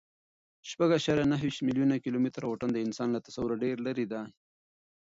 شپږ اعشاریه نهه ویشت میلیونه کیلومتره واټن د انسان له تصوره ډېر لیرې دی.